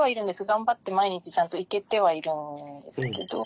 頑張って毎日ちゃんと行けてはいるんですけどこう。